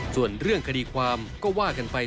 ส่วนเรื่องคดีความก็ว่ากันไป